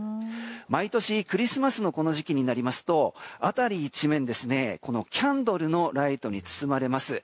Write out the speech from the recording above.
毎年クリスマスの時期になりますと辺り一面キャンドルのライトに包まれます。